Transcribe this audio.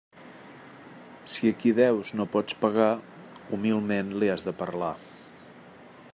Si a qui deus no pots pagar, humilment li has de parlar.